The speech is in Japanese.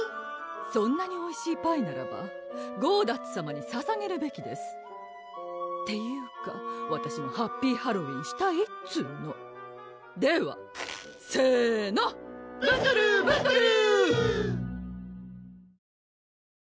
そんなにおいしいパイならばゴーダッツさまにささげるべきですっていうかわたしもハッピーハロウィンしたいっつーのではせーのブンドルブンドルー！